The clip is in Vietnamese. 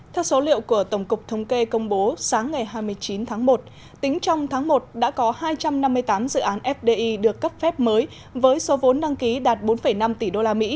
theo số liệu của tổng cục thống kê công bố sáng ngày hai mươi chín tháng một tính trong tháng một đã có hai trăm năm mươi tám dự án fdi được cấp phép mới với số vốn đăng ký đạt bốn năm tỷ usd